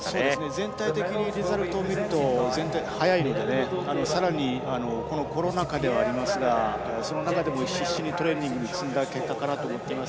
全体的にリザルトを見ると速いのでさらにコロナ禍ではありますがその中でも必死にトレーニング積んだ結果かなと思っています。